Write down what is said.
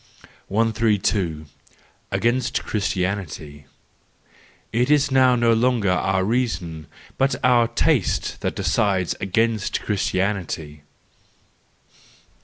132. Against Christianity. —It is now no longer our reason, but our taste that decides against Christianity.